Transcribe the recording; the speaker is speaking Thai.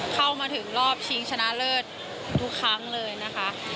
เข้ามาถึงรอบชิงชนะเลิศทุกครั้งเลยนะคะ